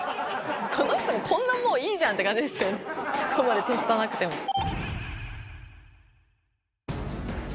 この人も、こんな、もういいじゃん，徹さなくても。